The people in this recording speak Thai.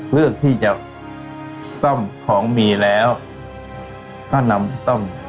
เลือกที่จะซ่อมของมีแล้วก็นำซ่อม